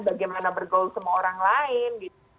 bagaimana bergaul sama orang lain